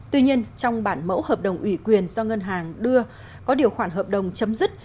tuy nhiên trong bản mẫu hợp đồng ủy quyền do ngân hàng đưa có điều khoản hợp đồng chấm dứt